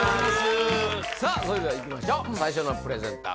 さあそれではいきましょう最初のプレゼンター